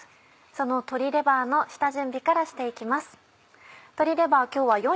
その鶏レバーの下準備からして行きます。